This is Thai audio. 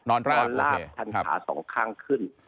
นอนลาบคันขาสองข้างขึ้น